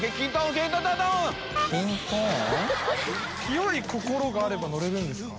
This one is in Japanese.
清い心があれば乗れるんですか？